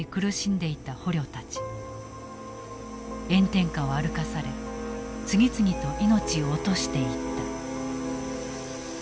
炎天下を歩かされ次々と命を落としていった。